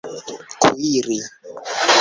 kuiri